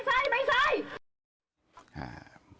เพราะมันมีข่าวลือที่ประชาชนตั้งข้อสงสัยมากมายใช่มั้ยใช่